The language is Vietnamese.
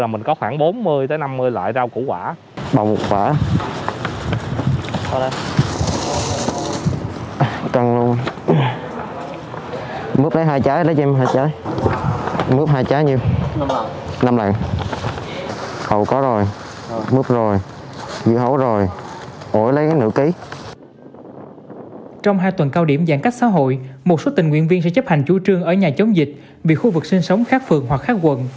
một số tình nguyện viên sẽ chấp hành chủ trương ở nhà chống dịch vì khu vực sinh sống khác phường hoặc khác quận